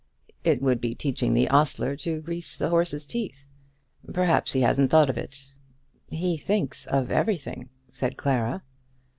"It would be teaching the ostler to grease the horse's teeth. Perhaps he hasn't thought of it." "He thinks of everything," said Clara.